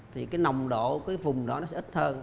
thì cái nồng độ cái vùng đó nó sẽ ít hơn